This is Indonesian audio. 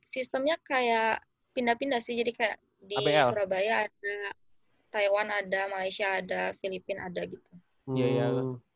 sistemnya kayak pindah pindah sih jadi kayak di surabaya ada taiwan ada malaysia ada filipina ada gitu